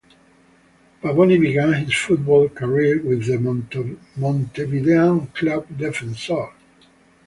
Pavoni began his football career with the Montevidean club Defensor.